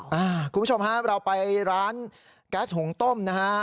คุณผู้ชมฮะเราไปร้านแก๊สหุงต้มนะฮะ